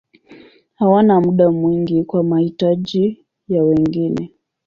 Hawana muda mwingi kwa mahitaji ya wengine.